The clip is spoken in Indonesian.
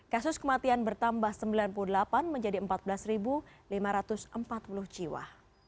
kasus kematian bertambah sembilan puluh delapan menjadi empat belas lima ratus empat puluh jiwa